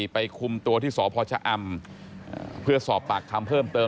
คุมตัวที่สพชะอำเพื่อสอบปากคำเพิ่มเติม